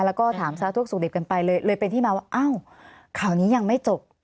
แล้วก็ถามสาธุสุขดิบกันไปเลยเลยเป็นที่มาว่าอ้าวข่าวนี้ยังไม่จบ